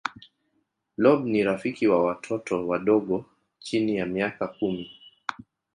blob ni rafiki wa watoto wadogo chini ya miaka kumi